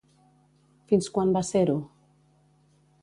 Fins quan va ser-ho?